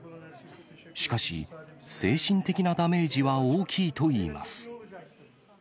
しかし、精神的なダメージは大きいといいます。